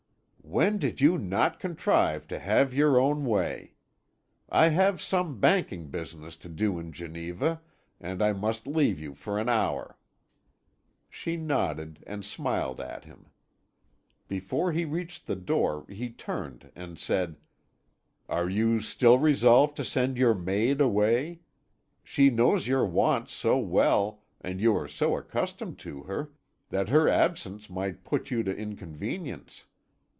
"When did you not contrive to have your own way? I have some banking business to do in Geneva, and I must leave you for an hour." She nodded and smiled at him. Before he reached the door he turned and said: "Are you still resolved to send your maid away? She knows your wants so well, and you are so accustomed to her, that her absence might put you to inconvenience.